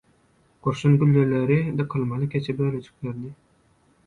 Gurşun gülleleri, dykylmaly keçe bölejiklerini